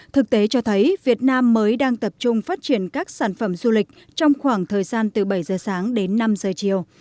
thực tế cho thấy việt nam mới đang tập trung phát triển các sản phẩm du lịch trong khoảng thời gian từ bảy giờ sáng đến năm giờ chiều